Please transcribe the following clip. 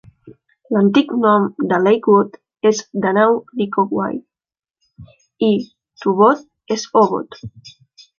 L'antic nom de Lakewood és Danaw Likowai, i Tubod és Obod.